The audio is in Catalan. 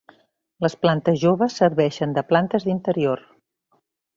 Les plantes joves serveixen de plantes d'interior.